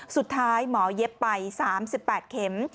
สุดท้ายหมอเย็บไป๓๘เข็ม